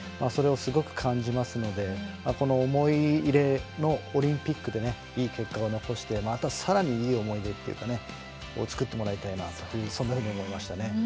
それをすごく感じますのでこの思い入れのオリンピックでいい結果を残してあとはさらにいい思い出というかねつくってもらいたいなとそんなふうに思いましたね。